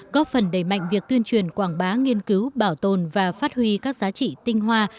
góp phần đẩy mạnh việc tuyên truyền quảng bá nghiên cứu bảo tồn và phát huy các giá trị tinh hoa